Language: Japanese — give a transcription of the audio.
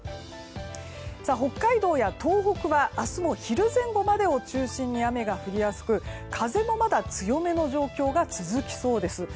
北海道や東北は明日も昼前後までを中心に雨が降りやすく風もまだ強めの状況が続きそうです。